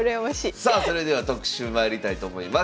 さあそれでは特集まいりたいと思います。